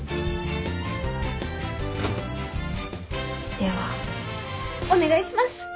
ではお願いします。